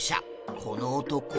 この男